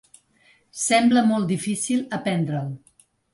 Sembla molt difícil aprendre’l.